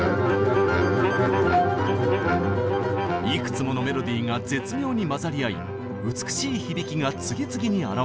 いくつものメロディーが絶妙にまざり合い美しい響きが次々にあらわれる。